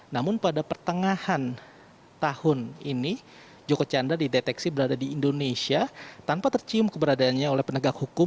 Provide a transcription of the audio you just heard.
namun pada pertengahan tahun ini joko chandra dideteksi berada di indonesia tanpa tercium keberadaannya oleh penegak hukum